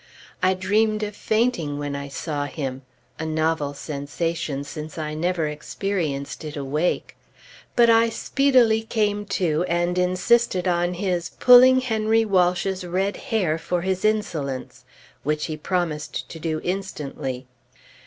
I dreamed of fainting when I saw him (a novel sensation, since I never experienced it awake), but I speedily came to, and insisted on his "pulling Henry Walsh's red hair for his insolence," which he promised to do instantly.